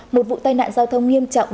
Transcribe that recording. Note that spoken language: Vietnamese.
một vụ tai nạn giao thông nghiêm trọng